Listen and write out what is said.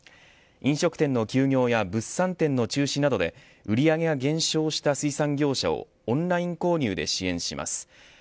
飲食店の休業や物産展の中止などで売り上げが減少した水産業者をオンライン購入で支援します。